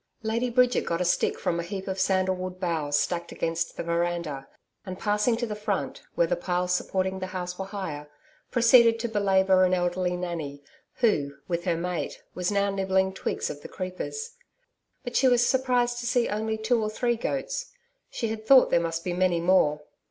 Lady Bridget got a stick from a heap of sandal wood boughs stacked against the veranda, and passing to the front, where the piles supporting the house were higher, proceeded to belabour an elderly nanny, who, with her mate, was now nibbling twigs of the creepers. But she was surprised to see only two or three goats, she had thought there must be many more.